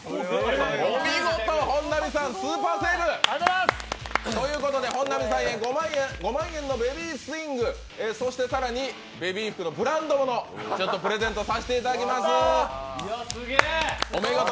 お見事、本並さんスーパーセーブ！ということで、本並さんに５万円のベビースイングそして更にベビー服のブランドものプレゼントさせていただきます。